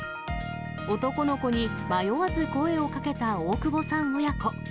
男の子に迷わず声をかけた大窪さん親子。